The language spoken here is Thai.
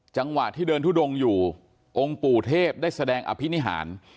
จังหวะที่เดินทุดงอยู่องค์ปู่เทพได้แสดงอภินิหาร